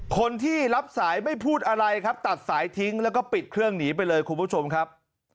คนที่รับสายไม่พูดอะไรครับตัดสายทิ้งแล้วก็ปิดเครื่องหนีไปเลยคุณผู้ชมครับ